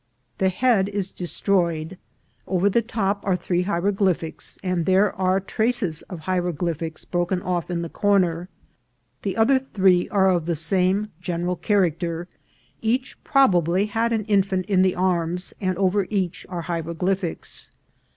The head is destroyed. Over the top are three hieroglyphics, and there are tra ces of hieroglyphics broken off in the corner. The other three are of the same general character ; each probably had an infant in the arms, and over each are hieroglyphics.